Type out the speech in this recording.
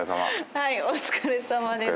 はいお疲れさまです。